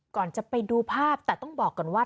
ก่อนจะไปดูภาพแต่ต้องบอกก่อนว่า